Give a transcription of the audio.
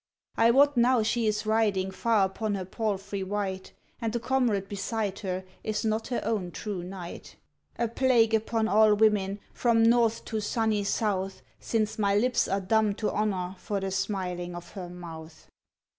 ' I wot now slie is riding far upon her palfrey white, And the comrade beside her is not her own true knight — FALSE DEARBHORGIL 43 A plague upon all women, from north to sunny south, Since my lips are dumb to honour for the smiling of her mouth